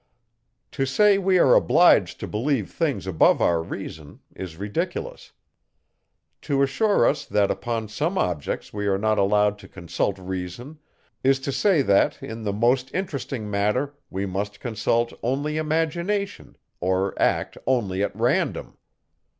To say, we are obliged to believe things above our reason, is ridiculous. To assure us, that upon some objects we are not allowed to consult reason, is to say, that, in the most interesting matter, we must consult only imagination, or act only at random.